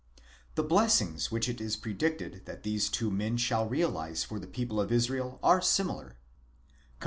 8 The blessings which it is predicted that these two men shall realize for the people of Israel are similar (comp.